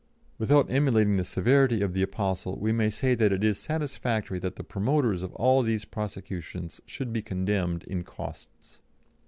"' Without emulating the severity of the apostle, we may say that it is satisfactory that the promoters of all these prosecutions should be condemned in costs."